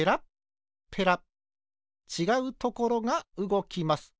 ちがうところがうごきます。